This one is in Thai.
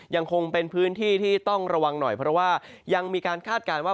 ยังคงเป็นพื้นที่ที่ต้องระวังหน่อยเพราะว่ายังมีการคาดการณ์ว่า